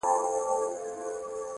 • د خپل ژوند په يوه خړه آئينه کي.